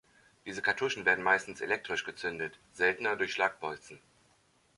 Diese Kartuschen werden meistens elektrisch gezündet, seltener durch Schlagbolzen.